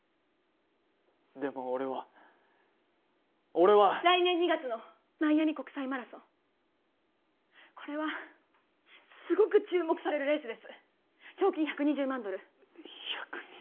でも俺は俺は来年２月のマイアミ国際マラソンこれはすごく注目されるレースです賞金１２０万ドル１２０万！？